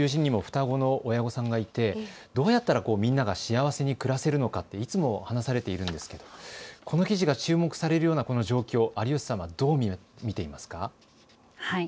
私の友人にも双子の親御さんがいてどうやったらみんなが幸せに暮らせるのかいつも話されているんですけどこの記事が注目されるようなこの状況、有吉さんはどう見ていますか。